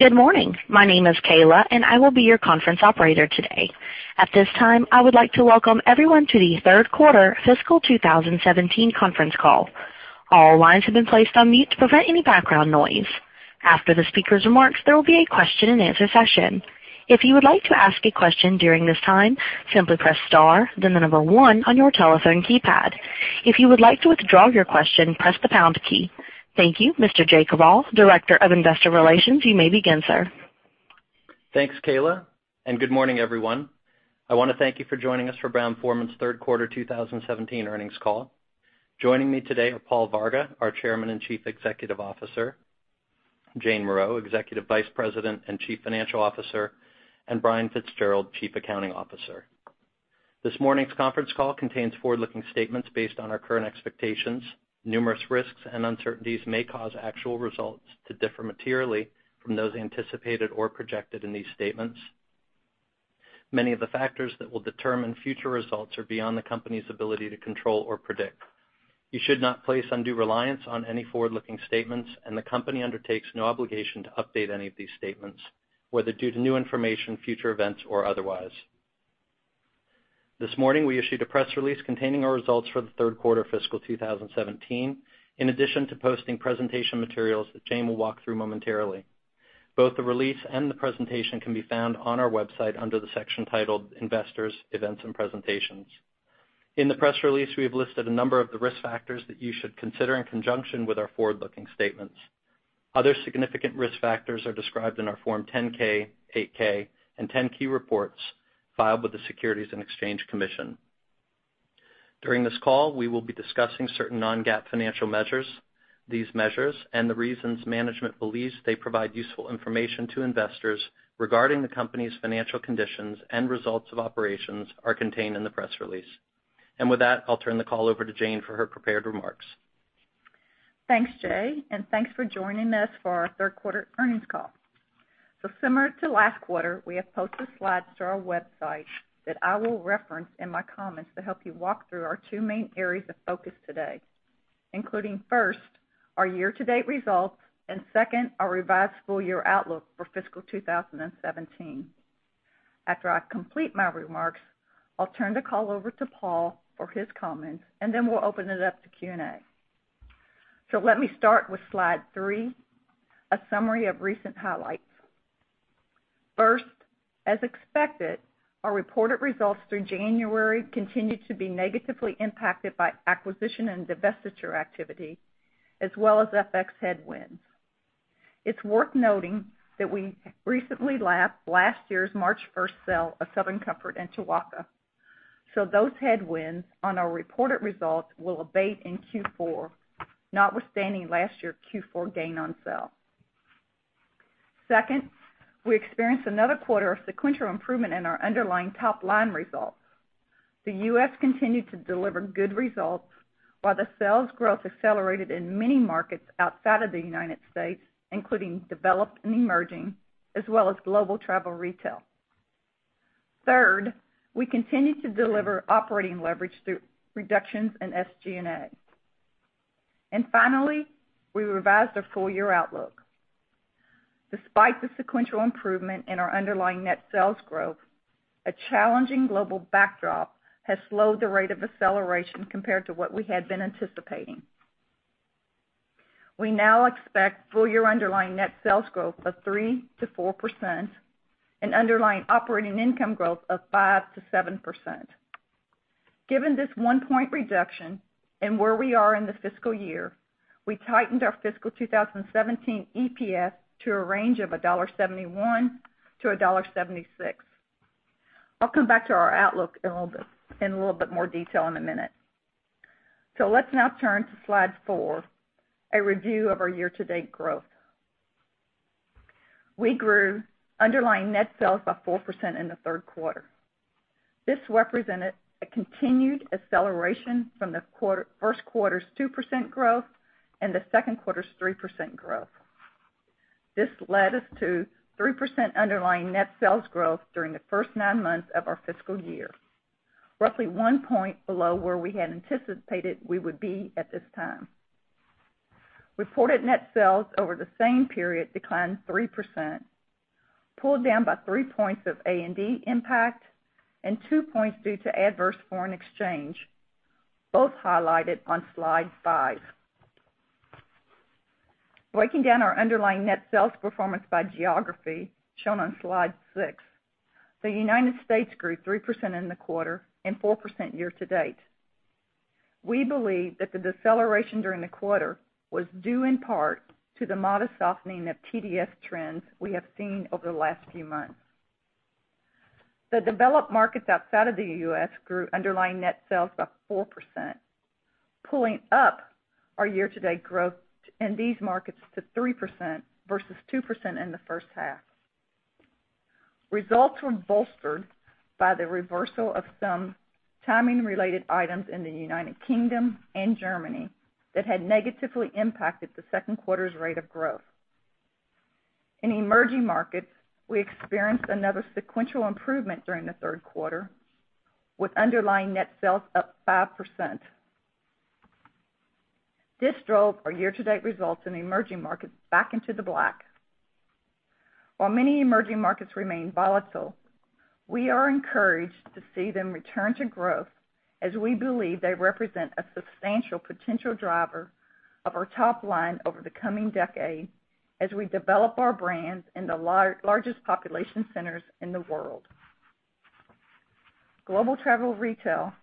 Good morning. My name is Kayla, and I will be your conference operator today. At this time, I would like to welcome everyone to the third quarter fiscal 2017 conference call. All lines have been placed on mute to prevent any background noise. After the speaker's remarks, there will be a question-and-answer session. If you would like to ask a question during this time, simply press star then the number 1 on your telephone keypad. If you would like to withdraw your question, press the pound key. Thank you. Mr. Jay Koval, Director of Investor Relations, you may begin, sir. Thanks, Kayla. Good morning, everyone. I want to thank you for joining us for Brown-Forman's third quarter 2017 earnings call. Joining me today are Paul Varga, our Chairman and Chief Executive Officer, Jane Morreau, Executive Vice President and Chief Financial Officer, and Brian Fitzgerald, Chief Accounting Officer. This morning's conference call contains forward-looking statements based on our current expectations. Numerous risks and uncertainties may cause actual results to differ materially from those anticipated or projected in these statements. Many of the factors that will determine future results are beyond the company's ability to control or predict. You should not place undue reliance on any forward-looking statements, and the company undertakes no obligation to update any of these statements, whether due to new information, future events, or otherwise. This morning, we issued a press release containing our results for the third quarter of fiscal 2017, in addition to posting presentation materials that Jane will walk through momentarily. Both the release and the presentation can be found on our website under the section titled Investors, Events, and Presentations. In the press release, we have listed a number of the risk factors that you should consider in conjunction with our forward-looking statements. Other significant risk factors are described in our Form 10-K, 8-K, and 10-Q reports filed with the Securities and Exchange Commission. During this call, we will be discussing certain non-GAAP financial measures. These measures and the reasons management believes they provide useful information to investors regarding the company's financial conditions and results of operations are contained in the press release. With that, I'll turn the call over to Jane for her prepared remarks. Thanks, Jay. Thanks for joining us for our third quarter earnings call. Similar to last quarter, we have posted slides to our website that I will reference in my comments to help you walk through our two main areas of focus today, including first, our year-to-date results, and second, our revised full-year outlook for fiscal 2017. After I complete my remarks, I'll turn the call over to Paul for his comments, then we'll open it up to Q&A. Let me start with slide three, a summary of recent highlights. First, as expected, our reported results through January continued to be negatively impacted by acquisition and divestiture activity, as well as FX headwinds. It's worth noting that we recently lapped last year's March 1st sale of Southern Comfort and Tequila. Those headwinds on our reported results will abate in Q4, notwithstanding last year's Q4 gain on sale. Second, we experienced another quarter of sequential improvement in our underlying top-line results. The U.S. continued to deliver good results while the sales growth accelerated in many markets outside of the United States, including developed and emerging, as well as global travel retail. Third, we continued to deliver operating leverage through reductions in SG&A. Finally, we revised our full-year outlook. Despite the sequential improvement in our underlying net sales growth, a challenging global backdrop has slowed the rate of acceleration compared to what we had been anticipating. We now expect full-year underlying net sales growth of 3%-4% and underlying operating income growth of 5%-7%. Given this one point reduction and where we are in the fiscal year, we tightened our fiscal 2017 EPS to a range of $1.71-$1.76. I'll come back to our outlook in a little bit more detail in a minute. Let's now turn to slide four, a review of our year-to-date growth. We grew underlying net sales by 4% in the third quarter. This represented a continued acceleration from the first quarter's 2% growth and the second quarter's 3% growth. This led us to 3% underlying net sales growth during the first nine months of our fiscal year, roughly one point below where we had anticipated we would be at this time. Reported net sales over the same period declined 3%, pulled down by three points of A&D impact and two points due to adverse foreign exchange, both highlighted on slide five. Breaking down our underlying net sales performance by geography, shown on slide six. The United States grew 3% in the quarter and 4% year-to-date. We believe that the deceleration during the quarter was due in part to the modest softening of TDS trends we have seen over the last few months. The developed markets outside of the U.S. grew underlying net sales by 4%, pulling up our year-to-date growth in these markets to 3% versus 2% in the first half. Results were bolstered by the reversal of some timing-related items in the United Kingdom and Germany that had negatively impacted the second quarter's rate of growth. In emerging markets, we experienced another sequential improvement during the third quarter, with underlying net sales up 5%. This drove our year-to-date results in emerging markets back into the black. While many emerging markets remain volatile, we are encouraged to see them return to growth, as we believe they represent a substantial potential driver of our top line over the coming decade as we develop our brands in the largest population centers in the world. Global travel retail,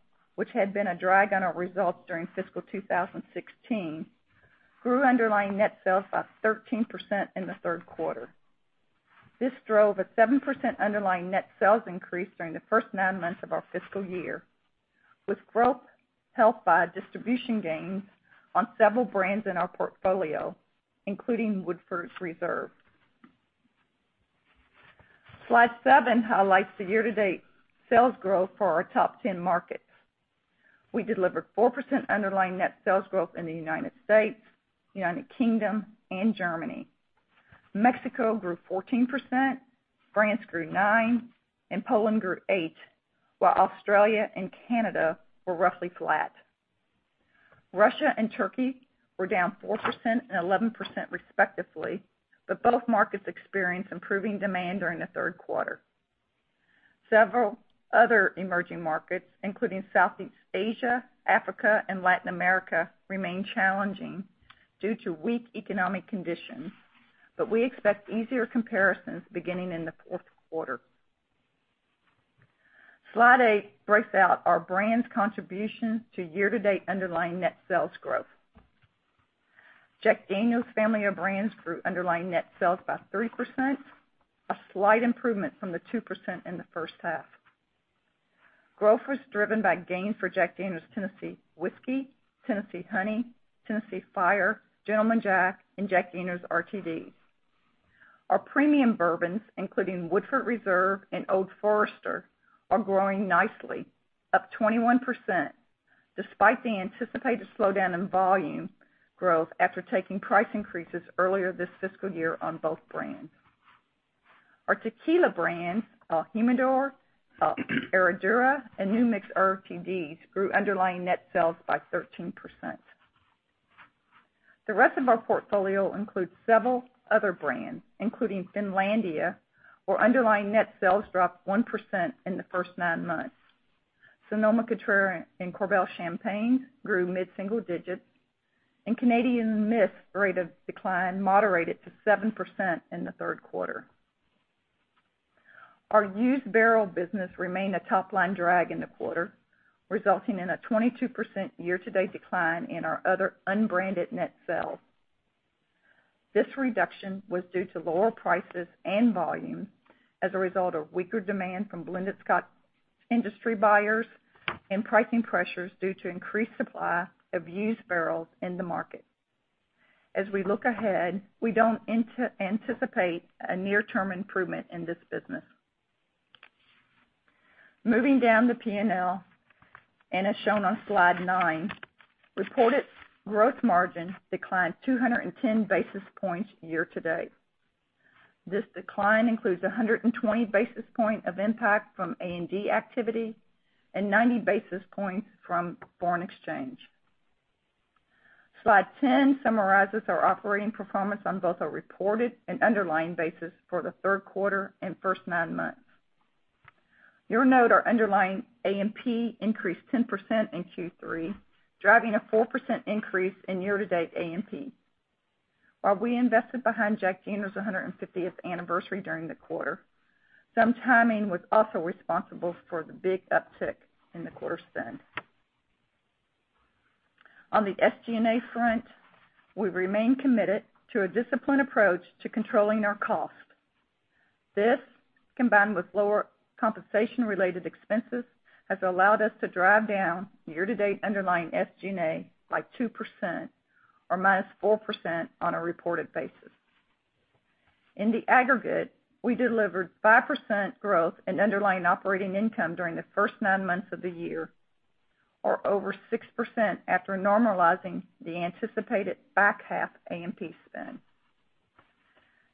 which had been a drag on our results during fiscal 2016, grew underlying net sales by 13% in the third quarter. This drove a 7% underlying net sales increase during the first nine months of our fiscal year, with growth helped by distribution gains on several brands in our portfolio, including Woodford Reserve. Slide seven highlights the year-to-date sales growth for our top 10 markets. We delivered 4% underlying net sales growth in the United States, United Kingdom, and Germany. Mexico grew 14%, France grew nine, and Poland grew eight, while Australia and Canada were roughly flat. Russia and Turkey were down 4% and 11% respectively, but both markets experienced improving demand during the third quarter. Several other emerging markets, including Southeast Asia, Africa, and Latin America, remain challenging due to weak economic conditions. We expect easier comparisons beginning in the fourth quarter. Slide eight breaks out our brands' contribution to year-to-date underlying net sales growth. Jack Daniel's family of brands grew underlying net sales by 3%, a slight improvement from the 2% in the first half. Growth was driven by gains for Jack Daniel's Tennessee Whiskey, Tennessee Honey, Tennessee Fire, Gentleman Jack, and Jack Daniel's RTDs. Our premium bourbons, including Woodford Reserve and Old Forester, are growing nicely, up 21%, despite the anticipated slowdown in volume growth after taking price increases earlier this fiscal year on both brands. Our tequila brands, el Jimador, Herradura, and New Mix RTDs, grew underlying net sales by 13%. The rest of our portfolio includes several other brands, including Finlandia, where underlying net sales dropped 1% in the first nine months. Sonoma-Cutrer and Korbel grew mid-single digits, and Canadian Mist rate of decline moderated to 7% in the third quarter. Our used barrel business remained a top-line drag in the quarter, resulting in a 22% year-to-date decline in our other unbranded net sales. This reduction was due to lower prices and volume as a result of weaker demand from blended Scotch industry buyers and pricing pressures due to increased supply of used barrels in the market. As we look ahead, we don't anticipate a near-term improvement in this business. Moving down the P&L, as shown on slide nine, reported gross margin declined 210 basis points year to date. This decline includes 120 basis points of impact from A&D activity and 90 basis points from foreign exchange. Slide 10 summarizes our operating performance on both a reported and underlying basis for the third quarter and first nine months. You'll note our underlying A&P increased 10% in Q3, driving a 4% increase in year-to-date A&P. While we invested behind Jack Daniel's 150th Anniversary during the quarter, some timing was also responsible for the big uptick in the quarter spend. On the SG&A front, we remain committed to a disciplined approach to controlling our costs. This, combined with lower compensation-related expenses, has allowed us to drive down year-to-date underlying SG&A by 2%, or minus 4% on a reported basis. In the aggregate, we delivered 5% growth in underlying operating income during the first nine months of the year, or over 6% after normalizing the anticipated back half A&P spend.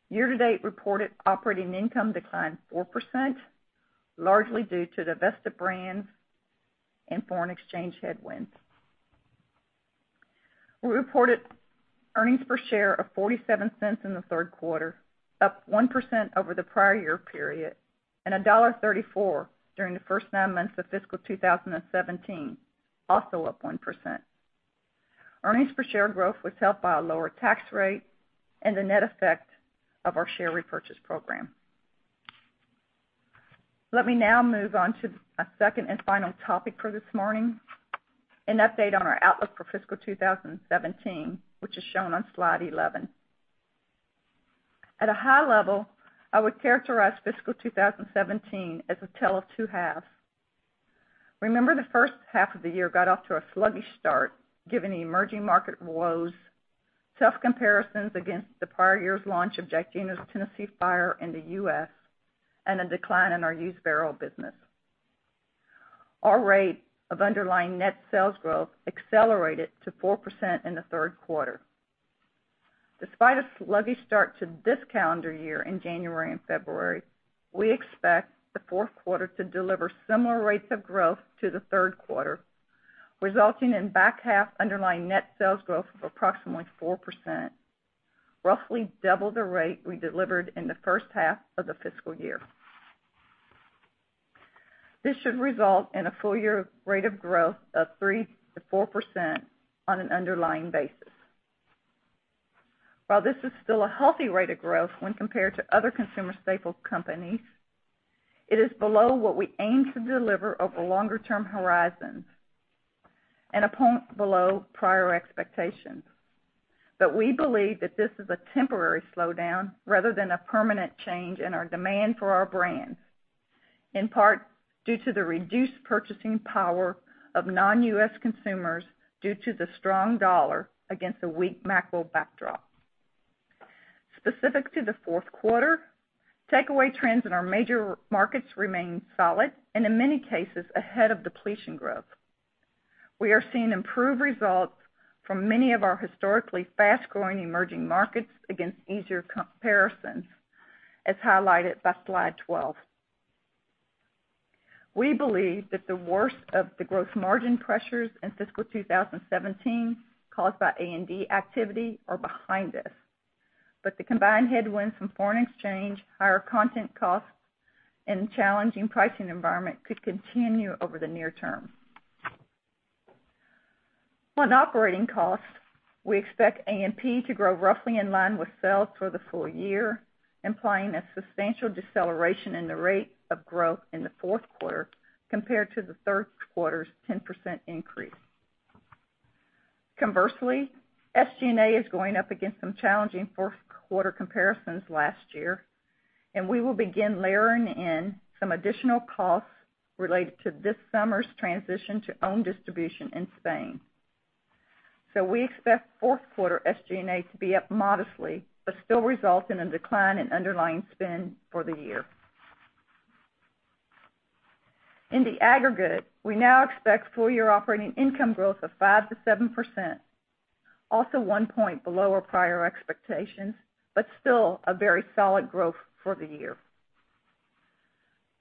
Year-to-date reported operating income declined 4%, largely due to divested brands and foreign exchange headwinds. We reported earnings per share of $0.47 in the third quarter, up 1% over the prior year period, and $1.34 during the first nine months of fiscal 2017, also up 1%. Earnings per share growth was helped by a lower tax rate and the net effect of our share repurchase program. Let me now move on to a second and final topic for this morning, an update on our outlook for fiscal 2017, which is shown on slide 11. At a high level, I would characterize fiscal 2017 as a tale of two halves. Remember, the first half of the year got off to a sluggish start given the emerging market woes, tough comparisons against the prior year's launch of Jack Daniel's Tennessee Fire in the U.S., and a decline in our used barrel business. Our rate of underlying net sales growth accelerated to 4% in the third quarter. Despite a sluggish start to this calendar year in January and February, we expect the fourth quarter to deliver similar rates of growth to the third quarter, resulting in back half underlying net sales growth of approximately 4%, roughly double the rate we delivered in the first half of the fiscal year. This should result in a full-year rate of growth of 3% to 4% on an underlying basis. While this is still a healthy rate of growth when compared to other consumer staples companies, it is below what we aim to deliver over longer term horizons and a point below prior expectations. We believe that this is a temporary slowdown rather than a permanent change in our demand for our brands, in part due to the reduced purchasing power of non-U.S. consumers due to the strong dollar against a weak macro backdrop. Specific to the fourth quarter, takeaway trends in our major markets remain solid and, in many cases, ahead of depletion growth. We are seeing improved results from many of our historically fast-growing emerging markets against easier comparisons, as highlighted by slide 12. We believe that the worst of the gross margin pressures in fiscal 2017 caused by A&D activity are behind us. The combined headwinds from foreign exchange, higher content costs, and challenging pricing environment could continue over the near term. On operating costs, we expect A&P to grow roughly in line with sales for the full year, implying a substantial deceleration in the rate of growth in the fourth quarter compared to the third quarter's 10% increase. Conversely, SG&A is going up against some challenging fourth-quarter comparisons last year. We will begin layering in some additional costs related to this summer's transition to own distribution in Spain. We expect fourth quarter SG&A to be up modestly, but still result in a decline in underlying spend for the year. In the aggregate, we now expect full-year operating income growth of 5% to 7%, also one point below our prior expectations, but still a very solid growth for the year.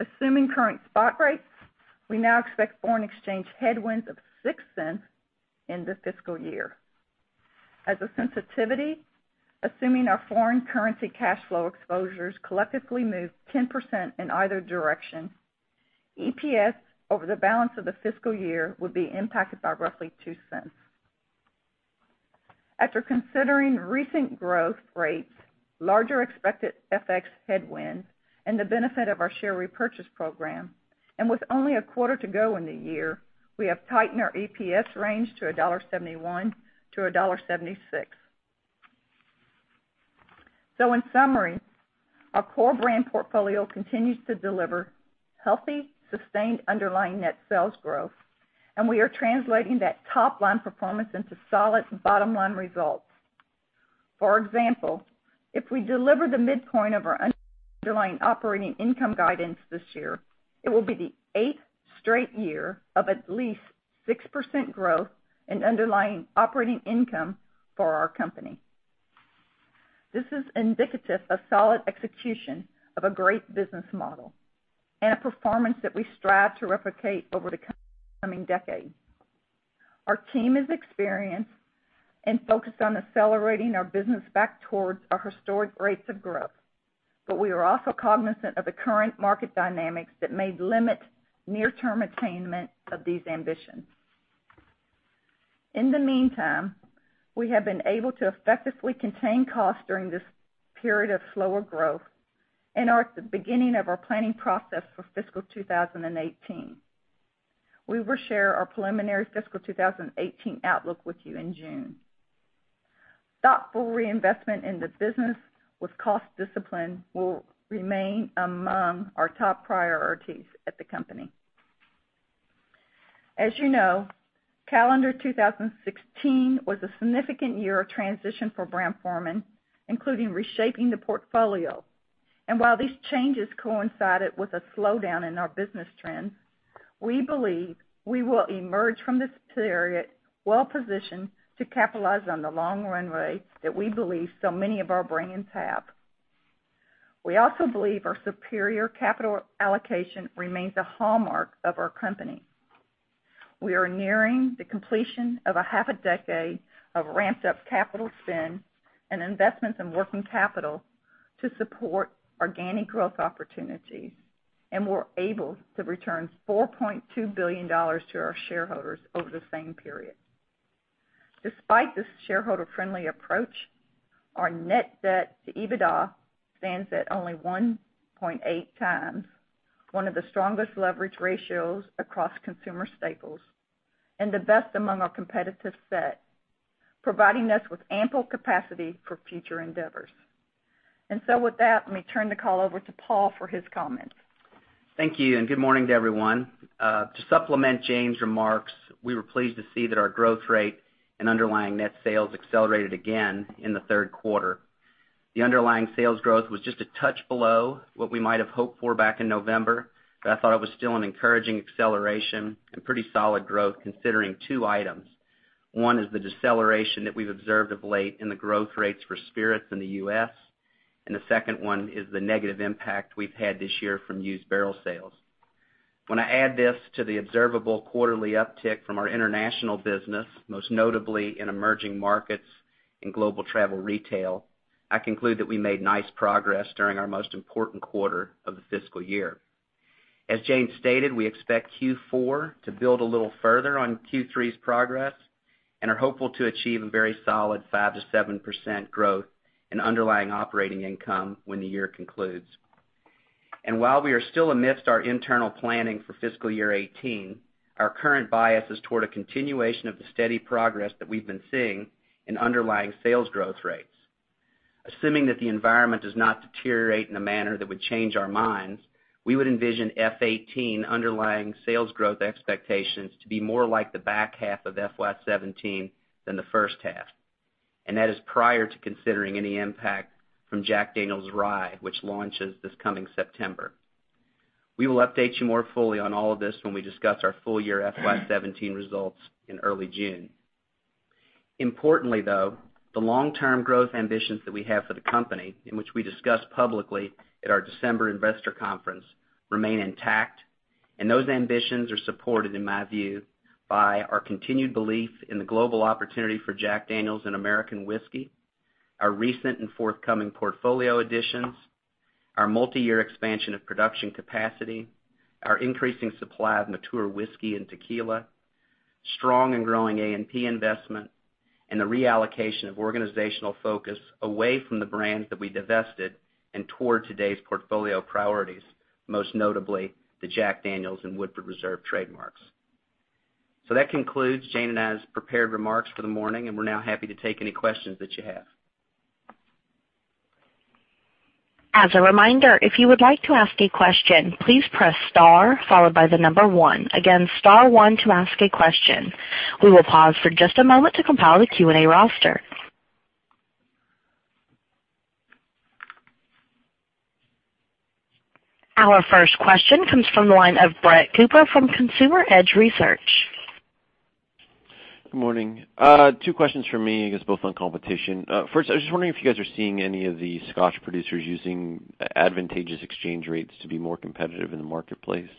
Assuming current spot rates, we now expect foreign exchange headwinds of $0.06 in the fiscal year. As a sensitivity, assuming our foreign currency cash flow exposures collectively move 10% in either direction, EPS over the balance of the fiscal year would be impacted by roughly $0.02. After considering recent growth rates, larger expected FX headwind, and the benefit of our share repurchase program, with only a quarter to go in the year, we have tightened our EPS range to $1.71 to $1.76. In summary, our core brand portfolio continues to deliver healthy, sustained underlying net sales growth. We are translating that top-line performance into solid bottom-line results. For example, if we deliver the midpoint of our underlying operating income guidance this year, it will be the eighth straight year of at least 6% growth in underlying operating income for our company. This is indicative of solid execution of a great business model and a performance that we strive to replicate over the coming decade. Our team is experienced and focused on accelerating our business back towards our historic rates of growth. We are also cognizant of the current market dynamics that may limit near-term attainment of these ambitions. In the meantime, we have been able to effectively contain costs during this period of slower growth and are at the beginning of our planning process for fiscal 2018. We will share our preliminary fiscal 2018 outlook with you in June. Thoughtful reinvestment in the business with cost discipline will remain among our top priorities at the company. As you know, calendar 2016 was a significant year of transition for Brown-Forman, including reshaping the portfolio. While these changes coincided with a slowdown in our business trends, we believe we will emerge from this period well-positioned to capitalize on the long runways that we believe so many of our brands have. We also believe our superior capital allocation remains a hallmark of our company. We are nearing the completion of a half a decade of ramped-up capital spend and investments in working capital to support organic growth opportunities. We are able to return $4.2 billion to our shareholders over the same period. Despite this shareholder-friendly approach, our net debt to EBITDA stands at only 1.8 times, one of the strongest leverage ratios across consumer staples and the best among our competitive set, providing us with ample capacity for future endeavors. With that, let me turn the call over to Paul for his comments. Thank you. Good morning to everyone. To supplement Jane's remarks, we were pleased to see that our growth rate in underlying net sales accelerated again in the third quarter. The underlying sales growth was just a touch below what we might have hoped for back in November, but I thought it was still an encouraging acceleration and pretty solid growth considering two items. One is the deceleration that we've observed of late in the growth rates for spirits in the U.S. The second one is the negative impact we've had this year from used barrel sales. When I add this to the observable quarterly uptick from our international business, most notably in emerging markets, in global travel retail, I conclude that we made nice progress during our most important quarter of the fiscal year. As Jane stated, we expect Q4 to build a little further on Q3's progress and are hopeful to achieve a very solid 5%-7% growth in underlying operating income when the year concludes. While we are still amidst our internal planning for fiscal year 2018, our current bias is toward a continuation of the steady progress that we've been seeing in underlying sales growth rates. Assuming that the environment does not deteriorate in a manner that would change our minds, we would envision FY 2018 underlying sales growth expectations to be more like the back half of FY 2017 than the first half, and that is prior to considering any impact from Jack Daniel's Rye, which launches this coming September. We will update you more fully on all of this when we discuss our full year FY 2017 results in early June. Importantly, though, the long-term growth ambitions that we have for the company, in which we discussed publicly at our December investor conference, remain intact, and those ambitions are supported, in my view, by our continued belief in the global opportunity for Jack Daniel's and American Whiskey, our recent and forthcoming portfolio additions, our multi-year expansion of production capacity, our increasing supply of mature whiskey and tequila, strong and growing A&P investment, and the reallocation of organizational focus away from the brands that we divested and toward today's portfolio priorities, most notably the Jack Daniel's and Woodford Reserve trademarks. That concludes Jane and I's prepared remarks for the morning, and we're now happy to take any questions that you have. As a reminder, if you would like to ask a question, please press star followed by the number 1. Again, star 1 to ask a question. We will pause for just a moment to compile the Q&A roster. Our first question comes from the line of Brett Cooper from Consumer Edge Research. Good morning. Two questions from me, I guess both on competition. First, I was just wondering if you guys are seeing any of the Scotch producers using advantageous exchange rates to be more competitive in the marketplace.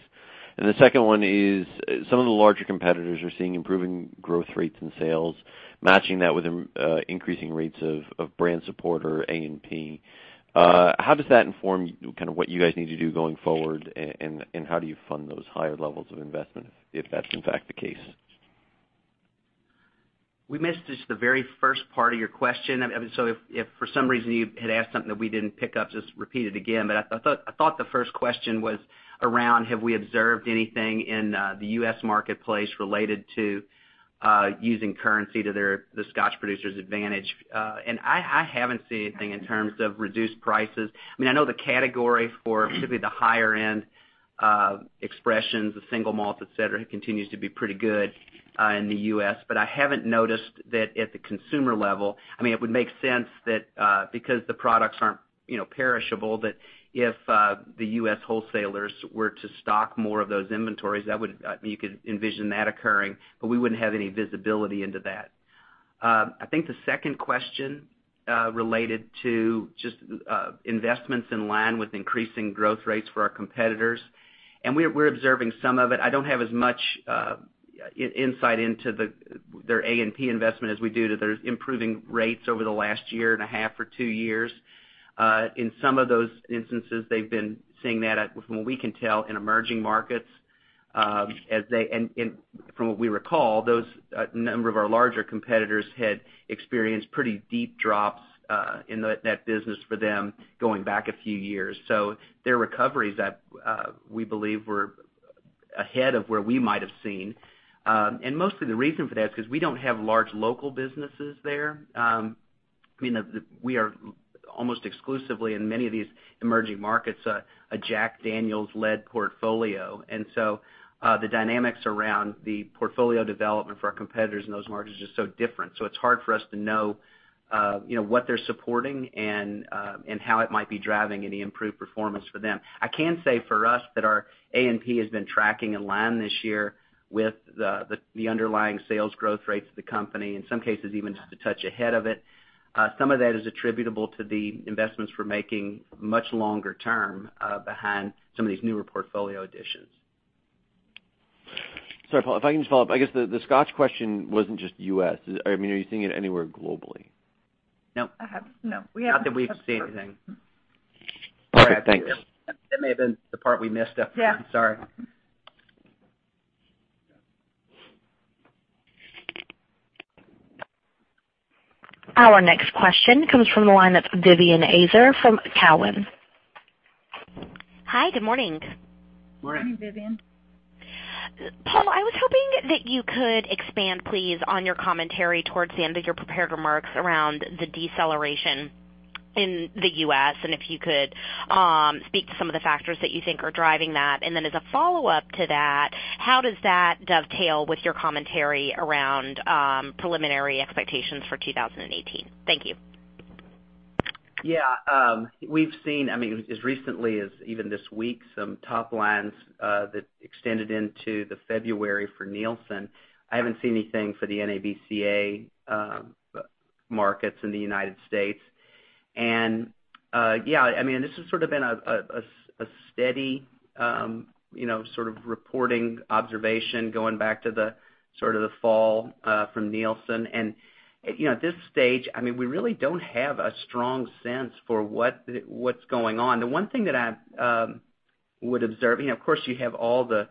The second one is, some of the larger competitors are seeing improving growth rates in sales, matching that with increasing rates of brand support or A&P. How does that inform what you guys need to do going forward, and how do you fund those higher levels of investment, if that's, in fact, the case? We missed just the very first part of your question. If for some reason you had asked something that we didn't pick up, just repeat it again. I thought the first question was around, have we observed anything in the U.S. marketplace related to using currency to the Scotch producer's advantage? I haven't seen anything in terms of reduced prices. I know the category for specifically the higher-end expressions, the single malt, et cetera, continues to be pretty good in the U.S., but I haven't noticed that at the consumer level. It would make sense that because the products aren't perishable, that if the U.S. wholesalers were to stock more of those inventories, you could envision that occurring, but we wouldn't have any visibility into that. I think the second question related to just investments in line with increasing growth rates for our competitors, we're observing some of it. I don't have as much insight into their A&P investment as we do to their improving rates over the last year and a half or two years. In some of those instances, they've been seeing that, from what we can tell, in emerging markets. From what we recall, those number of our larger competitors had experienced pretty deep drops in that business for them going back a few years. Their recoveries, we believe, were ahead of where we might have seen. Mostly the reason for that is because we don't have large local businesses there. We are almost exclusively, in many of these emerging markets, a Jack Daniel's-led portfolio. The dynamics around the portfolio development for our competitors in those markets are so different. It's hard for us to know what they're supporting and how it might be driving any improved performance for them. I can say for us that our A&P has been tracking in line this year with the underlying sales growth rates of the company, in some cases, even just a touch ahead of it. Some of that is attributable to the investments we're making much longer term behind some of these newer portfolio additions. Sorry, Paul, if I can just follow up. I guess the Scotch question wasn't just U.S. Are you seeing it anywhere globally? No. I haven't. No. We haven't. Not that we've seen anything. Okay, thanks. That may have been the part we missed. Yeah. Sorry. Our next question comes from the line of Vivien Azer from Cowen. Hi, good morning. Morning. Morning, Vivien. Paul, I was hoping that you could expand, please, on your commentary towards the end of your prepared remarks around the deceleration in the U.S., and if you could speak to some of the factors that you think are driving that. How does that dovetail with your commentary around preliminary expectations for 2018? Thank you. We've seen, as recently as even this week, some top lines that extended into February for Nielsen. I haven't seen anything for the NABCA markets in the U.S. This has sort of been a steady reporting observation going back to the fall from Nielsen. At this stage, we really don't have a strong sense for what's going on. The one thing that I would observe, of course you have all the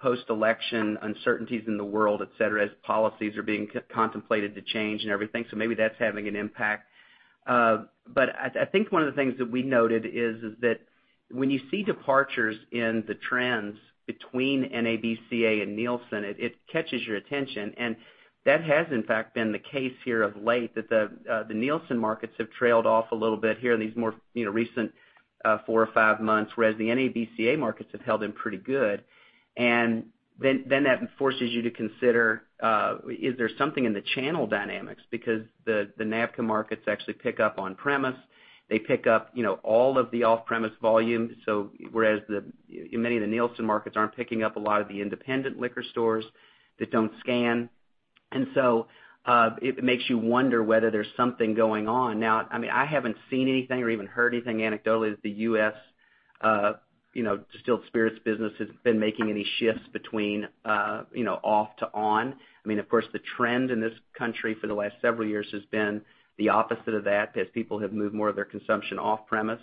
post-election uncertainties in the world, et cetera, as policies are being contemplated to change and everything, so maybe that's having an impact. I think one of the things that we noted is that when you see departures in the trends between NABCA and Nielsen, it catches your attention. That has, in fact, been the case here of late, that the Nielsen markets have trailed off a little bit here in these more recent four or five months, whereas the NABCA markets have held in pretty good. That forces you to consider, is there something in the channel dynamics? The NABCA markets actually pick up on premise. They pick up all of the off-premise volume, whereas many of the Nielsen markets aren't picking up a lot of the independent liquor stores that don't scan. It makes you wonder whether there's something going on. Now, I haven't seen anything or even heard anything anecdotally that the U.S. distilled spirits business has been making any shifts between off to on. Of course, the trend in this country for the last several years has been the opposite of that, as people have moved more of their consumption off premise.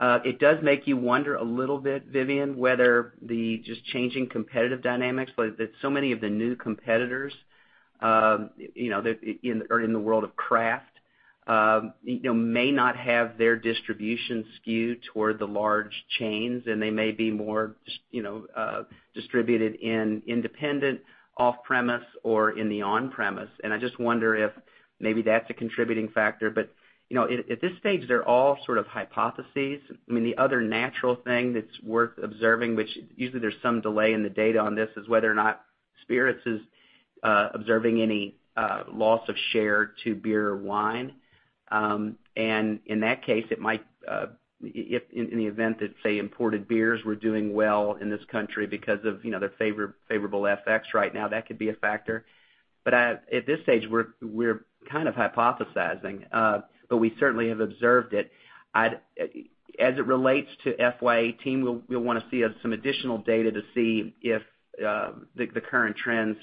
It does make you wonder a little bit, Vivien, whether the just changing competitive dynamics, but so many of the new competitors are in the world of craft, may not have their distribution skewed toward the large chains, and they may be more distributed in independent off-premise or in the on-premise. I just wonder if maybe that's a contributing factor. At this stage, they're all sort of hypotheses. The other natural thing that's worth observing, which usually there's some delay in the data on this, is whether or not spirits is observing any loss of share to beer or wine. In that case, in the event that, say, imported beers were doing well in this country because of their favorable effects right now, that could be a factor. At this stage, we're kind of hypothesizing, but we certainly have observed it. As it relates to FY 2018, we'll want to see some additional data to see if the current trends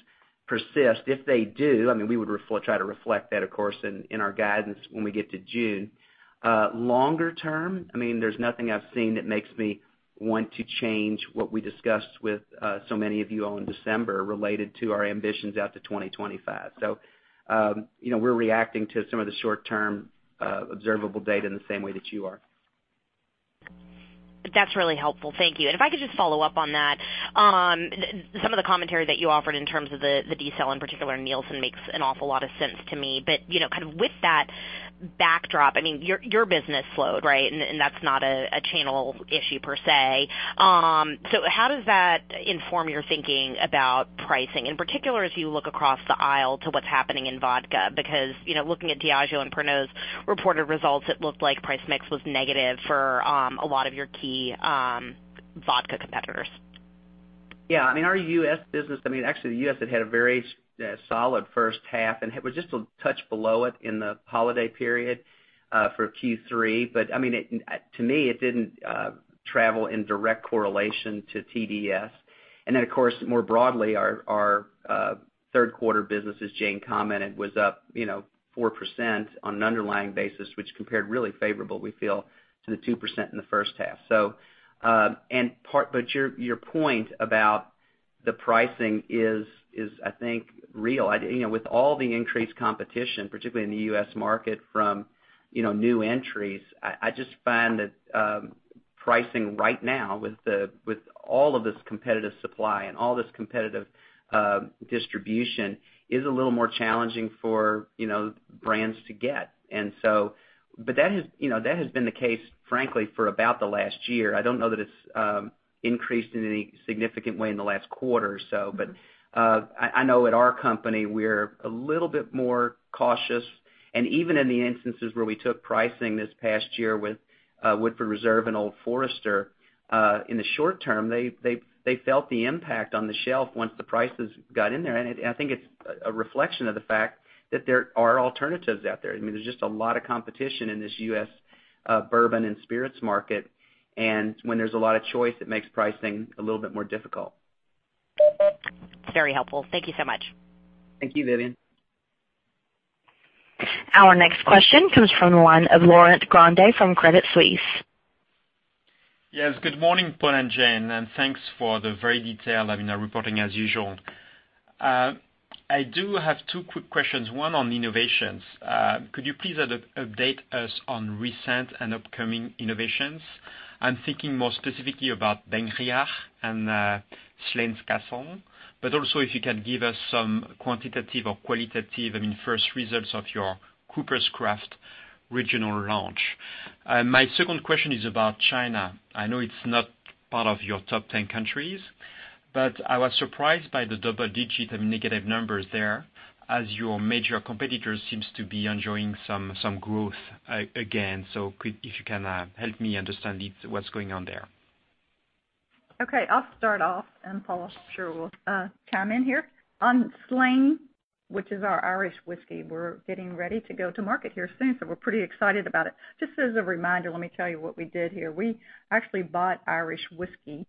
persist. If they do, we would try to reflect that, of course, in our guidance when we get to June. Longer term, there's nothing I've seen that makes me want to change what we discussed with so many of you all in December related to our ambitions out to 2025. We're reacting to some of the short-term observable data in the same way that you are. That's really helpful. Thank you. If I could just follow up on that. Some of the commentary that you offered in terms of the de-sell, in particular, Nielsen, makes an awful lot of sense to me. Kind of with that backdrop, your business slowed, right? That's not a channel issue per se. How does that inform your thinking about pricing, in particular, as you look across the aisle to what's happening in vodka? Because, looking at Diageo and Pernod's reported results, it looked like price mix was negative for a lot of your key vodka competitors. Our U.S. business, actually, the U.S. had had a very solid first half, and it was just a touch below it in the holiday period for Q3. To me, it didn't travel in direct correlation to TDS. Of course, more broadly, our third quarter business, as Jane commented, was up 4% on an underlying basis, which compared really favorable, we feel, to the 2% in the first half. Your point about the pricing is, I think, real. With all the increased competition, particularly in the U.S. market from new entries, I just find that pricing right now with all of this competitive supply and all this competitive distribution is a little more challenging for brands to get. That has been the case, frankly, for about the last year. I don't know that it's increased in any significant way in the last quarter or so. I know at our company, we're a little bit more cautious, and even in the instances where we took pricing this past year with Woodford Reserve and Old Forester, in the short term, they felt the impact on the shelf once the prices got in there. I think it's a reflection of the fact that there are alternatives out there. There's just a lot of competition in this U.S. bourbon and spirits market, and when there's a lot of choice, it makes pricing a little bit more difficult. Very helpful. Thank you so much. Thank you, Vivien. Our next question comes from the line of Laurent Grandet from Credit Suisse. Yes. Good morning, Paul and Jane, thanks for the very detailed reporting, as usual. I do have two quick questions, one on innovations. Could you please update us on recent and upcoming innovations? I'm thinking more specifically about BenRiach and Slane Castle, also if you can give us some quantitative or qualitative, first results of your Coopers' Craft regional launch. My second question is about China. I know it's not part of your top 10 countries. I was surprised by the double-digit negative numbers there, as your major competitors seems to be enjoying some growth, again. If you can help me understand what's going on there. Okay. I'll start off, Paul I'm sure will chime in here. On Slane, which is our Irish whiskey, we're getting ready to go to market here soon, we're pretty excited about it. Just as a reminder, let me tell you what we did here. We actually bought Irish whiskey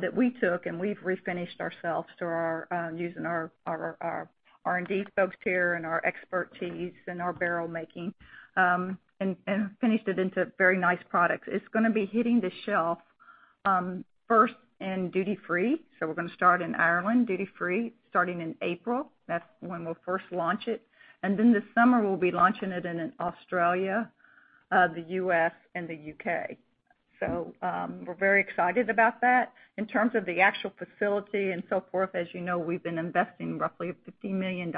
that we took and we've refinished ourselves through using our R&D folks here and our expertise in our barrel making, finished it into very nice products. It's going to be hitting the shelf first in duty free. We're going to start in Ireland duty free starting in April. That's when we'll first launch it. This summer, we'll be launching it in Australia, the U.S., and the U.K. We're very excited about that. In terms of the actual facility and so forth, as you know, we've been investing roughly $50 million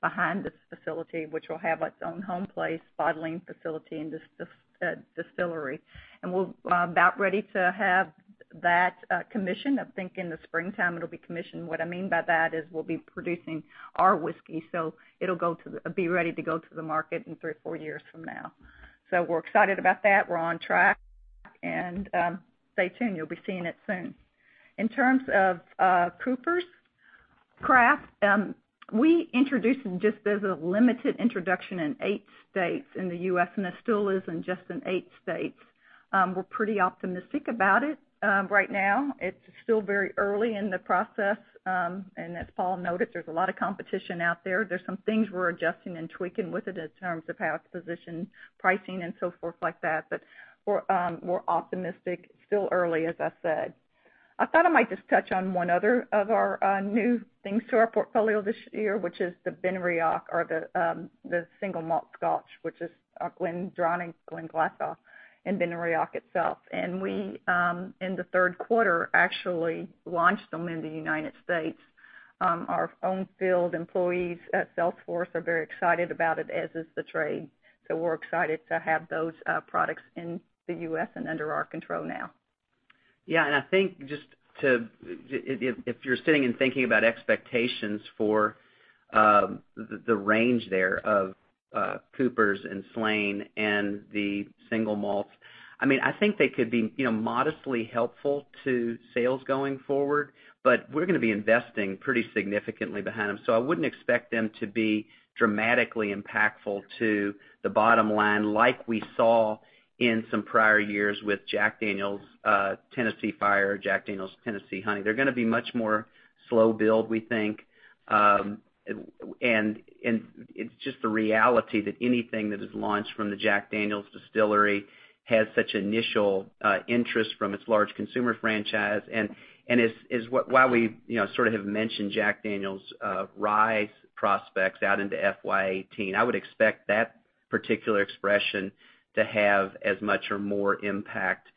behind this facility, which will have its own home place, bottling facility, and distillery. We're about ready to have that commissioned. I think in the springtime it'll be commissioned. What I mean by that is we'll be producing our whiskey. It'll be ready to go to the market in three or four years from now. We're excited about that. We're on track. Stay tuned. You'll be seeing it soon. In terms of Coopers' Craft, we introduced it just as a limited introduction in eight states in the U.S., it still is in just in eight states. We're pretty optimistic about it right now. It's still very early in the process. As Paul noted, there's a lot of competition out there. There's some things we're adjusting and tweaking with it in terms of how to position pricing and so forth like that. We're optimistic. Still early, as I said. I thought I might just touch on one other of our new things to our portfolio this year, which is the BenRiach, or the single malt scotch, which is GlenDronach, Glenglassaugh, and BenRiach itself. We, in the third quarter, actually launched them in the U.S. Our own field employees at salesforce are very excited about it, as is the trade. We're excited to have those products in the U.S. and under our control now. I think if you're sitting and thinking about expectations for the range there of Coopers' and Slane and the single malts, I think they could be modestly helpful to sales going forward. We're going to be investing pretty significantly behind them. I wouldn't expect them to be dramatically impactful to the bottom line like we saw in some prior years with Jack Daniel's Tennessee Fire, Jack Daniel's Tennessee Honey. They're going to be much more slow build, we think. It's just the reality that anything that is launched from the Jack Daniel's distillery has such initial interest from its large consumer franchise, while we sort of have mentioned Jack Daniel's Rye prospects out into FY 2018, I would expect that particular expression to have as much or more impact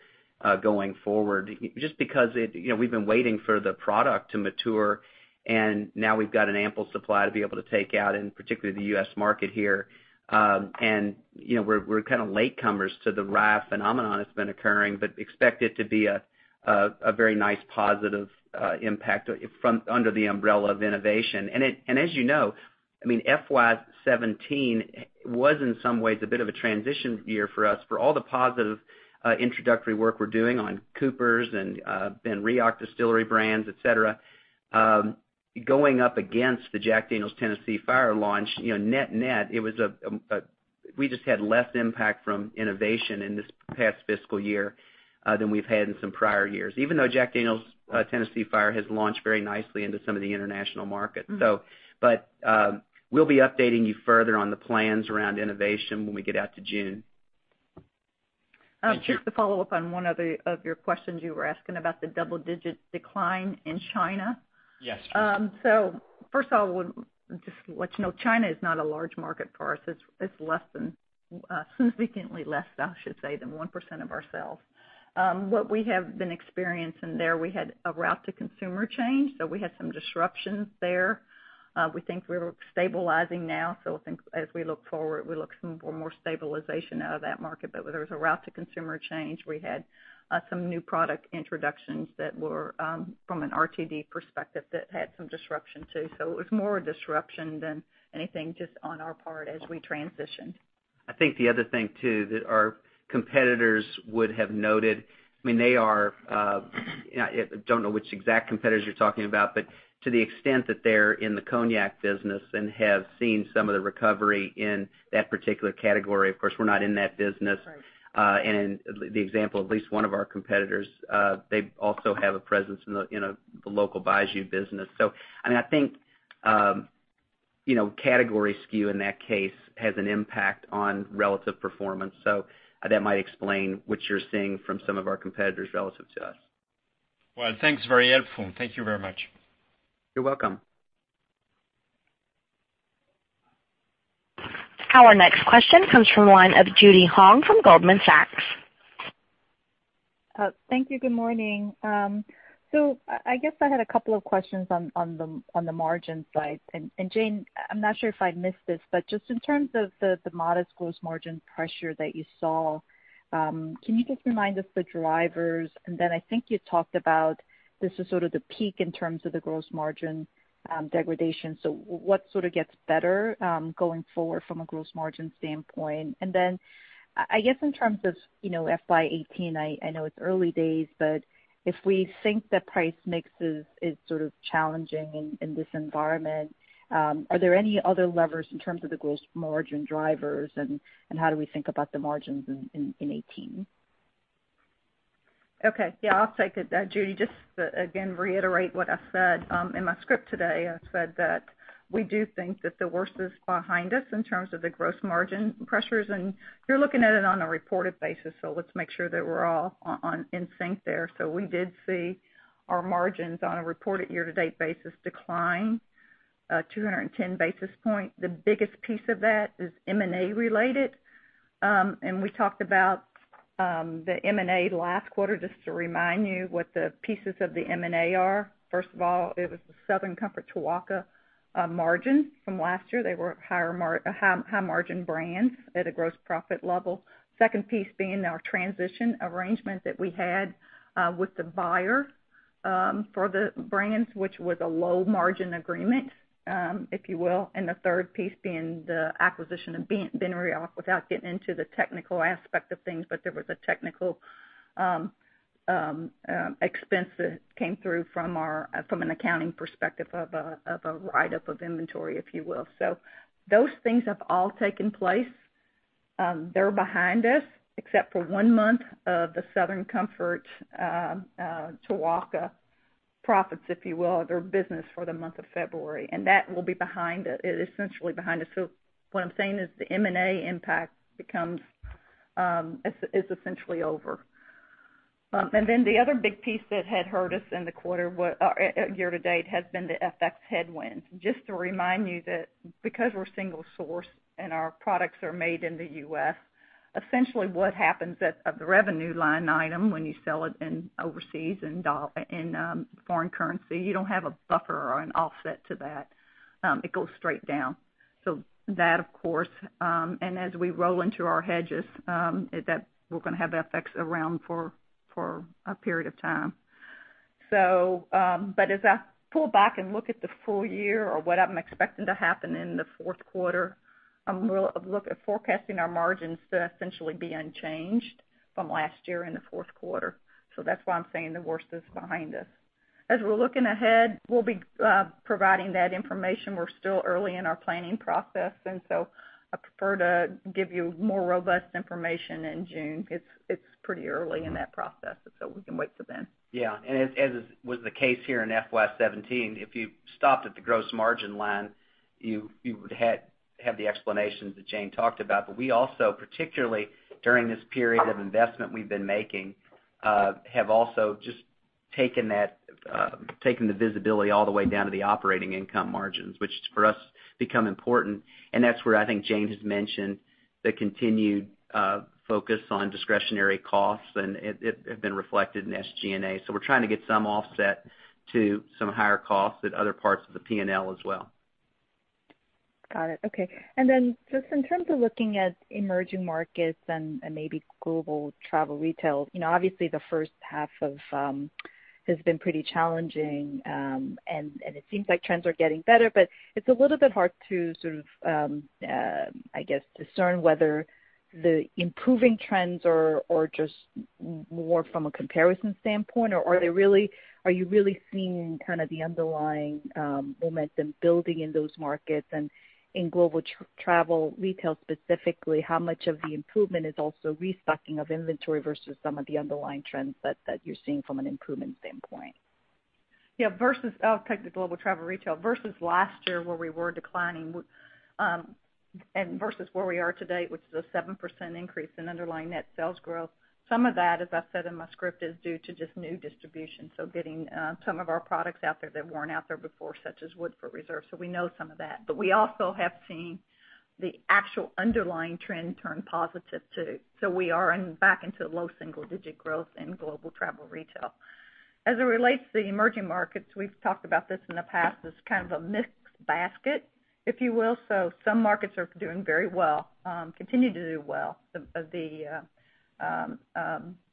going forward, just because we've been waiting for the product to mature, and now we've got an ample supply to be able to take out in particularly the U.S. market here. We're kind of latecomers to the rye phenomenon that's been occurring, but expect it to be a very nice, positive impact under the umbrella of innovation. As you know, FY 2017 was, in some ways, a bit of a transition year for us for all the positive introductory work we're doing on Coopers' and BenRiach Distillery brands, et cetera. Going up against the Jack Daniel's Tennessee Fire launch, net-net, we just had less impact from innovation in this past fiscal year, than we've had in some prior years, even though Jack Daniel's Tennessee Fire has launched very nicely into some of the international markets. We'll be updating you further on the plans around innovation when we get out to June. Thank you. To follow up on one of your questions you were asking about the double-digit decline in China. Yes. First of all, just to let you know, China is not a large market for us. It's significantly less, I should say, than 1% of our sales. What we have been experiencing there, we had a route to consumer change, we had some disruptions there. We think we're stabilizing now, I think as we look forward, we look for more stabilization out of that market. There was a route to consumer change. We had some new product introductions that were from an RTD perspective that had some disruption, too. It was more a disruption than anything just on our part as we transitioned. I think the other thing, too, that our competitors would have noted, I don't know which exact competitors you're talking about, to the extent that they're in the cognac business and have seen some of the recovery in that particular category, of course, we're not in that business. Right. The example of at least one of our competitors, they also have a presence in the local baijiu business. I think category SKU in that case has an impact on relative performance. That might explain what you're seeing from some of our competitors relative to us. Well, thanks. Very helpful. Thank you very much. You're welcome. Our next question comes from one of Judy Hong from Goldman Sachs. Thank you. Good morning. I guess I had a couple of questions on the margin side. Jane, I'm not sure if I missed this, but just in terms of the modest gross margin pressure that you saw, can you just remind us the drivers? I think you talked about this is sort of the peak in terms of the gross margin degradation. What sort of gets better, going forward from a gross margin standpoint? I guess in terms of FY 2018, I know it's early days, but if we think that price mix is sort of challenging in this environment, are there any other levers in terms of the gross margin drivers and how do we think about the margins in 2018? Okay. Yeah, I'll take it, Judy Hong. I said that we do think that the worst is behind us in terms of the gross margin pressures, and you're looking at it on a reported basis, let's make sure that we're all in sync there. We did see our margins on a reported year-to-date basis decline 210 basis points. The biggest piece of that is M&A related. We talked about the M&A last quarter, just to remind you what the pieces of the M&A are. First of all, it was the Southern Comfort, Tequila margin from last year. They were a high margin brand at a gross profit level. Second piece being our transition arrangement that we had with the buyer, for the brands, which was a low margin agreement, if you will. The third piece being the acquisition of BenRiach, without getting into the technical aspect of things, there was a technical expense that came through from an accounting perspective of a write-up of inventory, if you will. Those things have all taken place. They're behind us except for one month of the Southern Comfort, Tequila profits, if you will, their business for the month of February, that will be essentially behind us. What I'm saying is the M&A impact is essentially over. The other big piece that had hurt us in the year to date has been the FX headwind. To remind you that because we're single source and our products are made in the U.S., essentially what happens at the revenue line item when you sell it in overseas in foreign currency, you don't have a buffer or an offset to that. It goes straight down. That, of course. As we roll into our hedges, we're going to have FX around for a period of time. As I pull back and look at the full year or what I'm expecting to happen in the fourth quarter, I'm forecasting our margins to essentially be unchanged from last year in the fourth quarter. That's why I'm saying the worst is behind us. As we're looking ahead, we'll be providing that information. We're still early in our planning process, I prefer to give you more robust information in June. It's pretty early in that process, we can wait till then. Yeah. As was the case here in FY 2017, if you stopped at the gross margin line, you would have the explanations that Jane talked about. We also, particularly during this period of investment we've been making, have also just taken the visibility all the way down to the operating income margins, which for us become important, and that's where I think Jane has mentioned the continued focus on discretionary costs, and it have been reflected in SG&A. We're trying to get some offset to some higher costs at other parts of the P&L as well. Got it. Okay. Just in terms of looking at emerging markets and maybe global travel retail, obviously the first half has been pretty challenging. It seems like trends are getting better, but it's a little bit hard to sort of, I guess, discern whether the improving trends are just more from a comparison standpoint or are you really seeing the underlying momentum building in those markets? In global travel retail specifically, how much of the improvement is also restocking of inventory versus some of the underlying trends that you're seeing from an improvement standpoint? Yeah. I'll take the global travel retail. Versus last year where we were declining, versus where we are today, which is a 7% increase in underlying net sales growth. Some of that, as I said in my script, is due to just new distribution. Getting some of our products out there that weren't out there before, such as Woodford Reserve. We know some of that. We also have seen the actual underlying trend turn positive too. We are back into low single digit growth in global travel retail. As it relates to the emerging markets, we've talked about this in the past as kind of a mixed basket, if you will. Some markets are doing very well, continue to do well.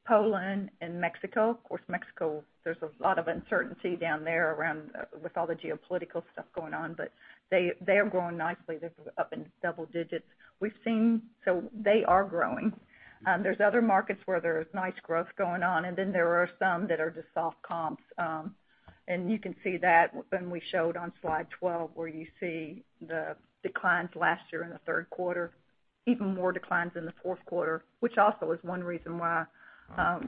Poland and Mexico. Of course, Mexico, there's a lot of uncertainty down there with all the geopolitical stuff going on, they are growing nicely. They're up in double digits. They are growing. There's other markets where there's nice growth going on, and then there are some that are just soft comps. You can see that when we showed on slide 12, where you see the declines last year in the third quarter, even more declines in the fourth quarter, which also is one reason why,